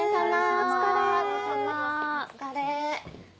お疲れ。